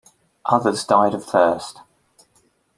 Others died of thirst.